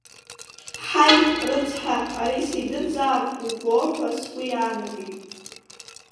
Ҳаи, рыцҳа, ари сидырзаап убо ҳәа сгәы иаанагеит.